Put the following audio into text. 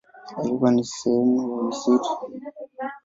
Ilikuwa ni sehemu ya msitu wa Bonde la Kongo.